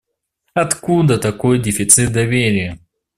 Откуда такой дефицит доверия?